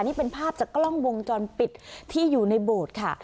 นี่เป็นภาพจากกล้องวงจรปิดที่อยู่ในโบสถ์ค่ะ